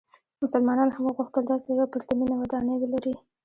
مسلمانانو هم وغوښتل داسې یوه پرتمینه ودانۍ ولري.